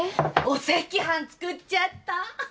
お赤飯作っちゃった。